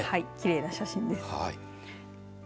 きれいな写真です。